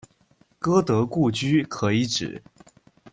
歌德故居可以指：